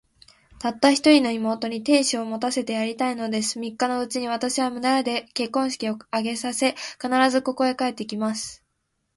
たった一人の妹に、亭主を持たせてやりたいのです。三日のうちに、私は村で結婚式を挙げさせ、必ず、ここへ帰って来ます。